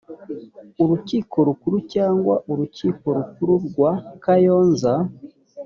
urukiko rukuru cyangwa urukiko rukuru rwa kayonza